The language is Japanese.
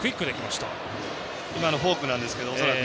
今のフォークなんですけど恐らく。